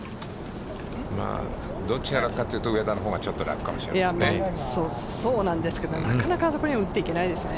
どっちが楽かというと、上のほうがちょっと楽かもしれないですね。